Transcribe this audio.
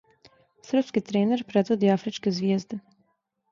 Српски тренер предводи афричке "Звијезде"